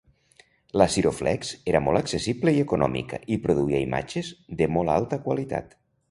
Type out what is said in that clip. La Ciro-flex era molt accessible i econòmica i produïa imatges de molt alta qualitat.